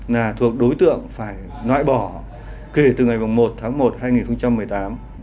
là thuộc đối tượng phải nõi bỏ kể từ ngày một tháng một năm hai nghìn một mươi tám